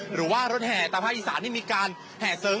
หรือว่ารถแห่ตามภาคอีสานที่มีการแห่เสริง